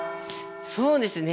そうですね。